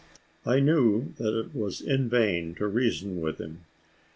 I knew that it was in vain to reason with him.